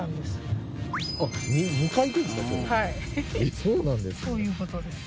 そうなんですか？